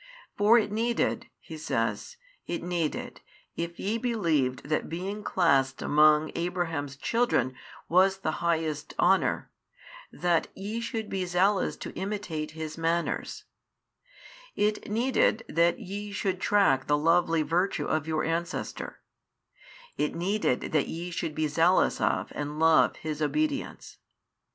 For it needed (He says) it needed, if ye believed that being classed |639 among Abraham's children was the highest honour, that ye should be zealous to imitate his manners: it needed that ye should track the lovely virtue of your ancestor, it needed that ye should be zealous of and love his obedience.